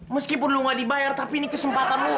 meskipun lu ga dibayar tapi ini kesempatan lu